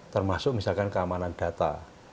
termasuk misalkan keamanan data